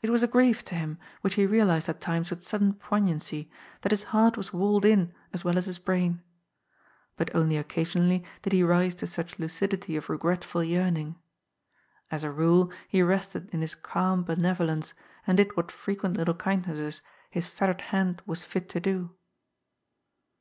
It was a grief to him, which he realized at times with sudden poignancy, that his heart was walled in as well as his brain. But only occasionally did he rise to such lucidity of regret ful yearning. As a rule, he rested in his calm benevolence, and did what frequent little kindnesses his fettered hand was fit to do.